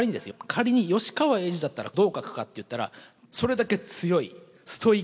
仮に吉川英治だったらどう書くかっていったらそれだけ強いストイックな主人公。